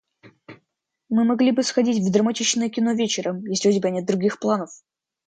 Мы могли бы сходить в драматичное кино вечером, если у тебя нет других планов.